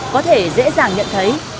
có thể dễ dàng nhận thấy